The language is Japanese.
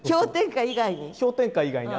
「氷点下」以外に。